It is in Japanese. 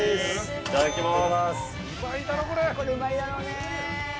いただきます。